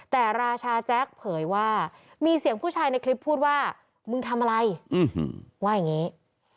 แต่ราชาแจ๊คเผยว่ามีเสียงผู้ชายในคลิปพูดว่ามึงทำอะไรว่าอย่างนี้